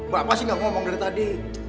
pak pasti gak ngomong dari tadi